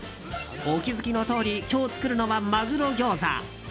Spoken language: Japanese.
お気づきのとおり、今日作るのはマグロギョーザ。